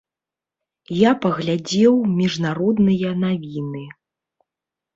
Я паглядзеў міжнародныя навіны.